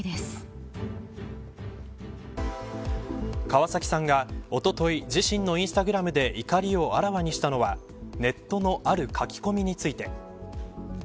川崎さんが、おととい自身のインスタグラムで怒りをあらわにしたのはネットのある書き込みについて。